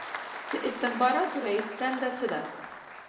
د استخباراتو رییس دنده څه ده؟